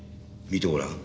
見てごらん。